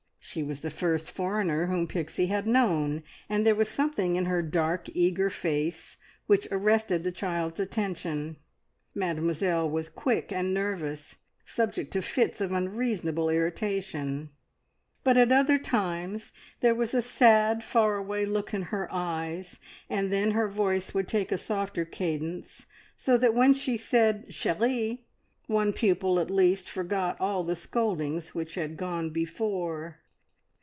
She was the first foreigner whom Pixie had known, and there was something in her dark, eager face which arrested the child's attention. Mademoiselle was quick and nervous, subject to fits of unreasonable irritation; but at other times there was a sad, far away look in her eyes, and then her voice would take a softer cadence, so that when she said "Cherie," one pupil at least forgot all the scoldings which had gone before.